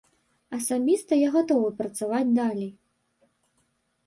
Асабіста я гатовы працаваць далей.